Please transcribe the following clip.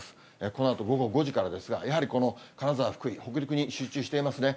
このあと午後５時からですが、やはり、この金沢、福井、北陸に集中していますね。